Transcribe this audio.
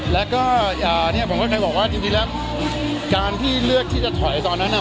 แล้วก็เนี่ยผมก็เคยบอกว่าจริงแล้วการที่เลือกที่จะถอยตอนนั้นน่ะ